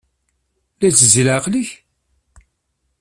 La itezzi leɛqel-ik?